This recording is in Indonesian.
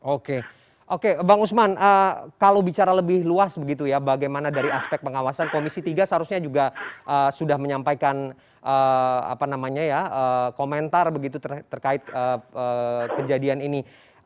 oke oke bang usman kalau bicara lebih luas begitu ya bagaimana dari aspek pengawasan komisi tiga seharusnya juga sudah menyampaikan komentar begitu terkait kejadian ini